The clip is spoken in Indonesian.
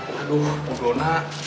aduh bu dona